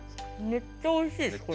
めっちゃおいしい。